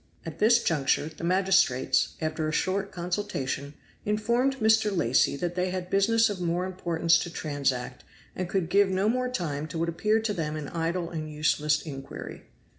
At this juncture the magistrates, after a short consultation, informed Mr. Lacy that they had business of more importance to transact, and could give no more time to what appeared to them an idle and useless inquiry.